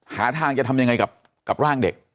หาทางจะทำยังไงกับร่างเด็ก